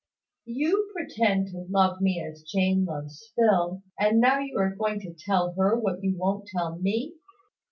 "You pretend you love me as Jane loves Phil! And now you are going to tell her what you won't tell me!